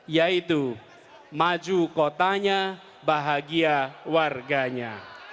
yaitu maju kotanya bahagia warganya